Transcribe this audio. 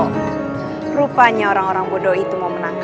oh rupanya orang orang bodoh itu mau menang